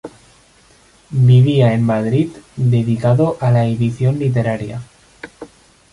Vivía en Madrid dedicado a la edición literaria.